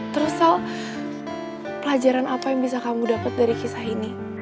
terus pelajaran apa yang bisa kamu dapat dari kisah ini